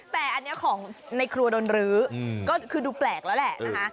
แต่อันนี้ของในครัวโดนรื้อก็คือดูแปลกแล้วแหละนะคะ